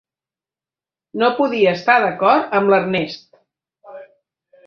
No podia estar d'acord amb l'Ernest.